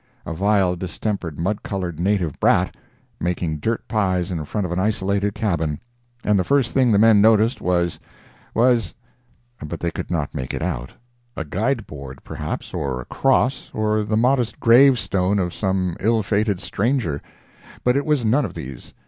"—a vile, distempered, mud colored native brat, making dirt pies in front of an isolated cabin; and the first thing the men noticed was—was—but they could not make it out; a guide board perhaps, or a cross, or the modest grave stone of some ill fated stranger. But it was none of these.